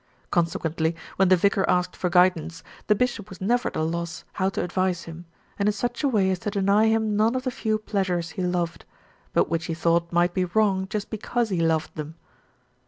Consequently, when the vicar asked for guidance, the bishop was never at a loss how to advise him, and in such a way as to deny him none of the few pleasures he loved; but which he thought might be wrong just because he loved them.